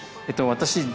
私。